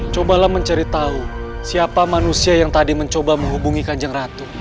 cobalah mencari tahu siapa manusia yang tadi mencoba menghubungi kanjeng ratu